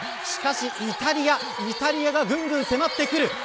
しかし、イタリアがぐんぐん迫ってくる。